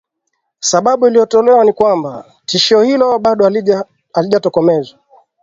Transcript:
sababu iliyotolewa ni kwamba tishio hilo bado halijatokomezwa